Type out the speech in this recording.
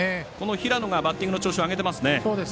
平野がバッティングの調子を上げていますね。